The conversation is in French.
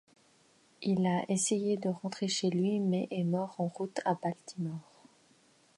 Il a essayé de rentrer chez lui mais est mort en route à Baltimore.